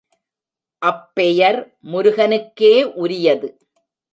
அப்பெயர் முருகனுக்கே உரியது.